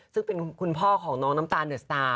ซึ่งเป็นคุณพ่อของน้องน้ำตาหนิสตา